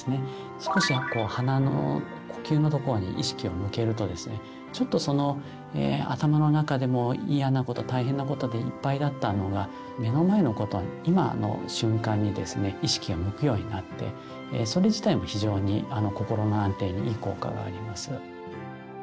少し鼻の呼吸のところに意識を向けるとですねちょっと頭の中でも嫌なこと大変なことでいっぱいだったのが目の前のこと今の瞬間にですね意識が向くようになってそれ自体も非常に心の安定にいい効果があります。